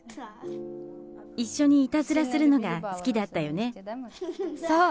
一緒にいたずらするのが好きだったよね。